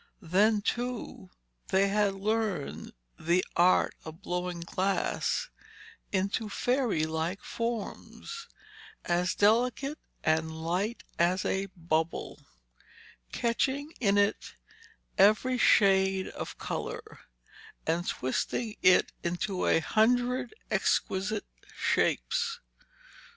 Then too they had learned the art of blowing glass into fairy like forms, as delicate and light as a bubble, catching in it every shade of colour, and twisting it into a hundred exquisite shapes.